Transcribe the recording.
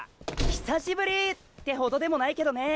久しぶり！ってほどでもないけどね。